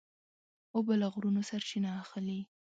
اوبه له غرونو سرچینه اخلي.